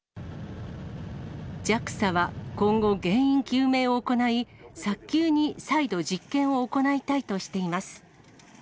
ＪＡＸＡは今後、原因究明を行い、早急に再度、実験を行いたいとしています。